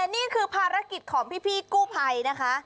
นี่คือภารกิจของพี่กู้ภัยนะคะ